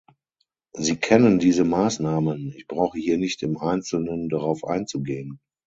Sie kennen diese Maßnahmen, ich brauche hier nicht im Einzelnen darauf einzugehen.